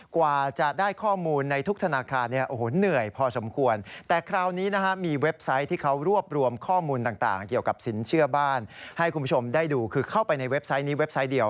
กว่าจะได้ข้อมูลในทุกธนาคารเนื่อยพอสมควร